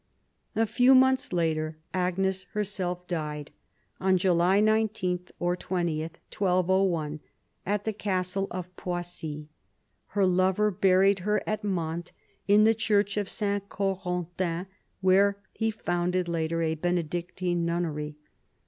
A few months later Agnes herself died — on July 1 9, or 20, 1201 — at the Castle of Poissy. Her lover buried her at Mantes in the Church of S. Corentin, where he founded later a Benedictine nunnery.